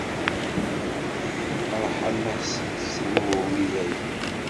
Ṛṛeḥma-s tettdum i dayem!